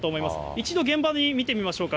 一度現場に見てみましょうか。